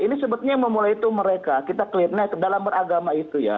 ini sebetulnya memulai itu mereka kita klipnya dalam beragama itu ya